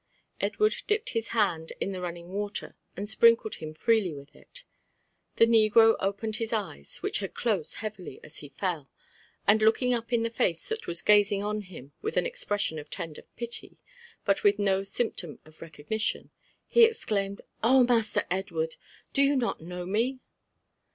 Edward dipped his hand in the running water and sprinkled him freely with. it. The negro opened his eyes, which had closed heavily as he fell, and looking up in the face that was gazing on him with an expression of tender pity, but with no symptom of recognition, he ex* claimed, '* Oh, Master Edward ! do you not know me?"